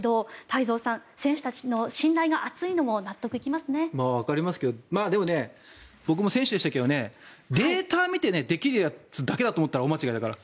太蔵さん生徒たちの信頼が厚いのもわかりますけどでも、僕も選手でしたけどデータを見てできるやつだけだと思ったら大間違いだから。